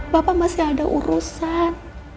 bapak masih ada urusan